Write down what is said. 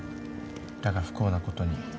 「だが不幸なことに」